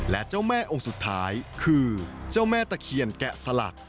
และเจ้าแม่องค์สุดท้ายคือเจ้าแม่ตะเคียนแกะสลัก